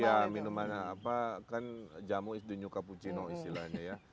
iya minuman apa kan jamu is the new cappuccino istilahnya ya